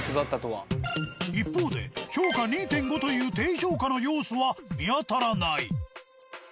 一方で評価２．５という低評価の要素は見当たらない。